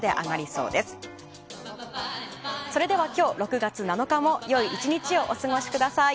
それでは今日６月７日もよい１日をお過ごしください。